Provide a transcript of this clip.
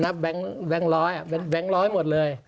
แบงค์ล้อยหมดเลย